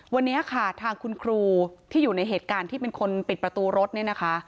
วันนี้ค่ะทางคุณครูที่อยู่ในเหตุการณ์ที่เป็นคนปิดประตูรถเนี่ยนะคะ